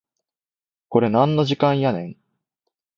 これなんの時間やねん